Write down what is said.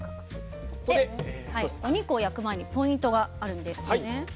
お肉を焼く前にポイントがあるんですよね？